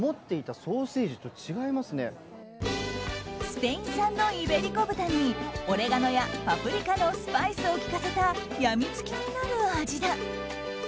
スペイン産のイベリコ豚にオレガノやパプリカのスパイスを利かせた病みつきになる味だ。